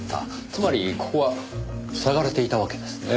つまりここは塞がれていたわけですね。